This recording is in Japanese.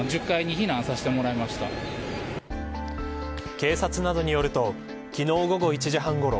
警察などによると昨日、午後１時半ごろ